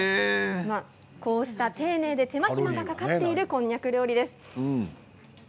こうした丁寧で手間暇がかかっているこんにゃく料理です。